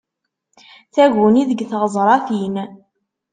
Taguni deg tɣeẓṛatin.